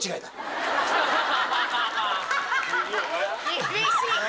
厳しい！